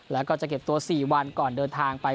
แล้วก็จะเก็บตัว๔วันก่อนเดินทางไป